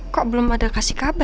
kok belum ada kasih kabar ya ke gue